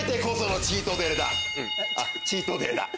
あっチートデイだ！